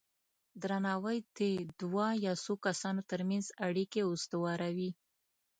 درناوی د دوه یا څو کسانو ترمنځ اړیکې استواروي.